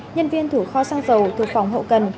nhân viên thủ kho xăng dầu thuộc phòng hậu cần